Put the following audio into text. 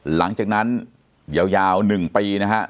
หลังจากนั้นยาว๑ปีนะฮะ